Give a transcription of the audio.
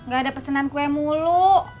gak ada pesanan kue mulu